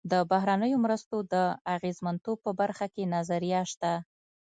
د بهرنیو مرستو د اغېزمنتوب په برخه کې نظریه شته.